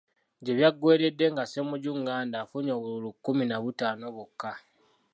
Gye byaggweeredde nga Ssemujju Nganda afunye obululu kkumi na butaano bwokka.